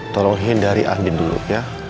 tolong hindari angin dulu ya